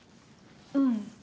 うん。